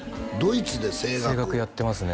声楽やってますね